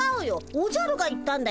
おじゃるが言ったんだよ。